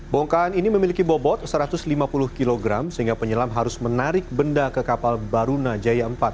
bongkahan ini memiliki bobot satu ratus lima puluh kg sehingga penyelam harus menarik benda ke kapal baruna jaya empat